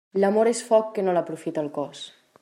L'amor és foc que no l'aprofita el cos.